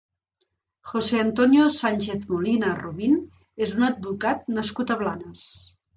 José Antonio Sanchez-Molina Rubin és un advocat nascut a Blanes.